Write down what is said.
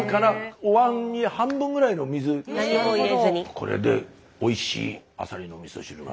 これでおいしいアサリのみそ汁が。